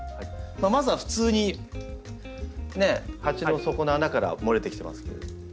まずは普通にね鉢の底の穴から漏れてきてますけど。